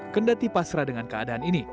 kendati pasrah dengan keadaan ini